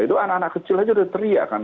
itu anak anak kecil aja udah teriakan